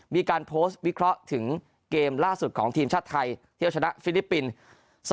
มีการโพสต์วิเคราะห์ถึงเกมล่าสุดของทีมชาติไทยที่เอาชนะฟิลิปปินส์